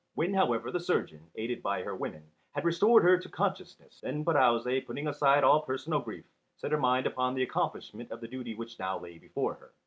When however the surgeon, aided by her women, had restored her to consciousness, then Pirouzè, putting aside all personal grief, set her mind upon the accomplishment of the duty which now lay before her.